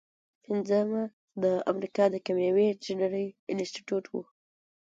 پنځمه د امریکا د کیمیاوي انجینری انسټیټیوټ و.